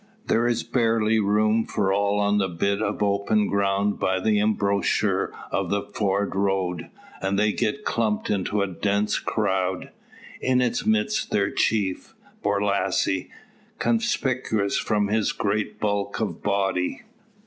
There is barely room for all on the bit of open ground by the embouchure of the ford road; and they get clumped into a dense crowd in its midst their chief, Borlasse, conspicuous from his great bulk of body.